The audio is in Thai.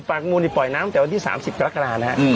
ปรากฏมูลปล่อยน้ำตั้งแต่วันที่๓๐กรกฎาหรอครับ